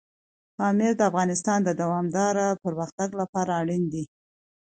پامیر د افغانستان د دوامداره پرمختګ لپاره اړین دي.